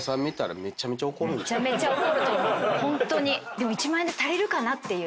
でも１万円で足りるかなっていう